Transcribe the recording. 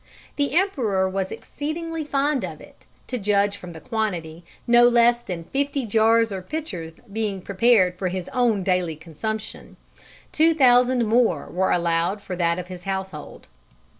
The Emperor was exceedingly fond of it, to judge from the quantity no less than fifty jars or pitchers being prepared for his own daily consumption: two thousand more were allowed for that of his household."